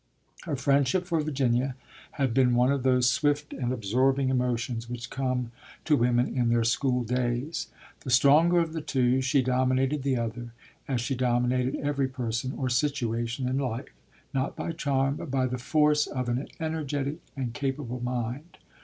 Her friendship for Virginia had been one of those swift and absorbing emotions which come to women in their school days. The stronger of the two, she dominated the other, as she dominated every person or situation in life, not by charm, but by the force of an energetic and capable mind.